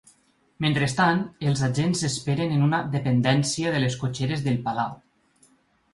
Mentrestant, els agents s’esperen en una dependència de les cotxeres del palau.